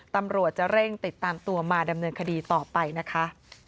ตำรวจจะเร่งติดตามตัวมาดำเนินคดีต่อไปนะคะ